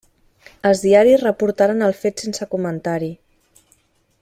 Els diaris reportaren el fet sense comentari.